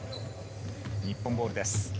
日本ボールです。